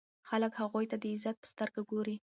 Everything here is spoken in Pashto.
خلک هغوی ته د عزت په سترګه ګوري.